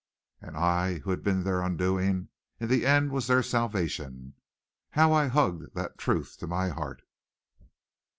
And I, who had been their undoing, in the end was their salvation. How I hugged that truth to my heart!